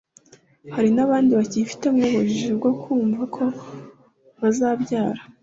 Hari n’abandi bakifitemo ubujiji bwo kumva ko bazabyara